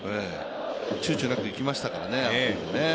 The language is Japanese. ちゅうちょなくいきましたからね。